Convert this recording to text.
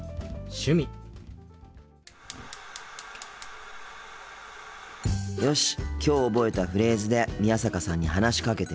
心の声よしきょう覚えたフレーズで宮坂さんに話しかけてみよう。